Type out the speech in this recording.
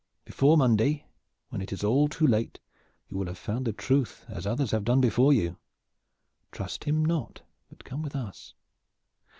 Before Monday, when it is all too late, you will have found the truth as others have done before you. Trust him not, but come with us!"